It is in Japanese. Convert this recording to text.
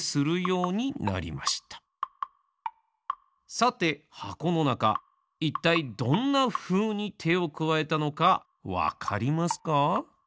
さてはこのなかいったいどんなふうにてをくわえたのかわかりますか？